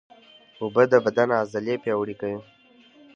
اوبه د بدن عضلې پیاوړې کوي